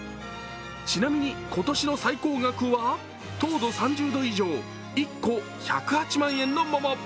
ちなみに、今年の最高額は糖度３０度以上１個１０８万円の桃。